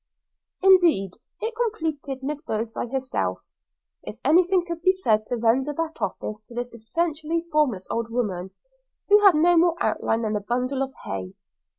Indeed, it completed Miss Birdseye herself, if anything could be said to render that office to this essentially formless old woman, who had no more outline than a bundle of hay.